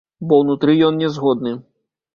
Бо ўнутры ён не згодны.